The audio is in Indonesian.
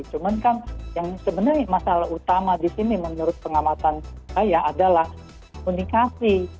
cuman kan yang sebenarnya masalah utama di sini menurut pengamatan saya adalah komunikasi